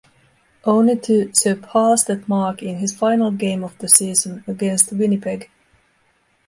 Only to surpass that mark in his final game of the season against Winnipeg.